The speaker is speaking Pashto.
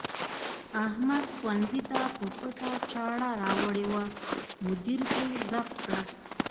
احمد ښوونځي ته په پټه چاړه راوړې وه، مدیر ترې ضبط کړه.